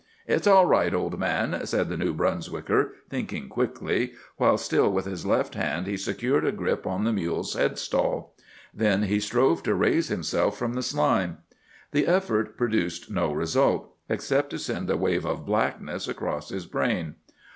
"It's all right, old man," said the New Brunswicker, thinking quickly, while with his left hand he secured a grip on the mule's headstall. Then he strove to raise himself from the slime. The effort produced no result, except to send a wave of blackness across his brain.